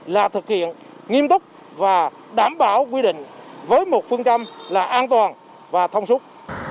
là thực hiện nghiêm túc và đảm bảo quy định với một phương châm là an toàn và thông suốt